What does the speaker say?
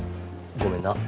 ごめんな。